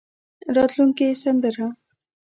راتلونکې سندره.